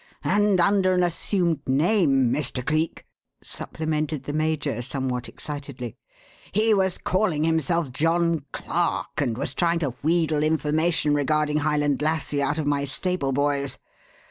"And under an assumed name, Mr. Cleek," supplemented the major somewhat excitedly. "He was calling himself John Clark and was trying to wheedle information regarding Highland Lassie out of my stable boys.